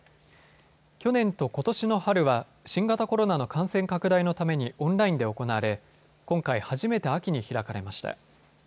去年とことしの春は新型コロナの感染拡大のためにオンラインで行われ今回、初めて秋に開かれました。